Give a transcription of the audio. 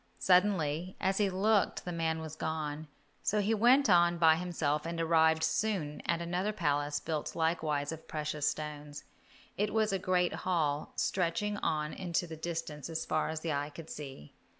Suddenly, as he looked the man was gone, so he went on by himself, and arrived soon at another palace built likewise of precious stones. It was a great hall, stretching on into the distance as far as the eye could see.